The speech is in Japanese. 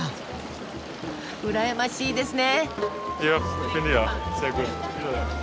羨ましいですね。